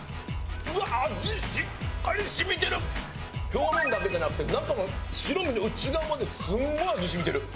表面だけじゃなくて中の白身の内側まですんごい味染みてる。